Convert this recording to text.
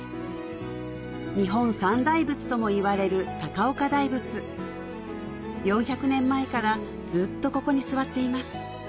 日本三大仏ともいわれる４００年前からずっとここに座っています